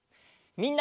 みんな！